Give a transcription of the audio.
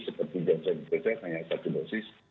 seperti jansan jepang hanya satu dosis